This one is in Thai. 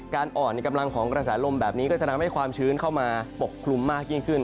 อ่อนในกำลังของกระแสลมแบบนี้ก็จะทำให้ความชื้นเข้ามาปกคลุมมากยิ่งขึ้น